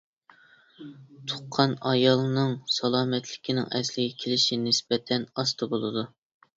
تۇغقان ئايالنىڭ سالامەتلىكىنىڭ ئەسلىگە كېلىشى نىسبەتەن ئاستا بولىدۇ.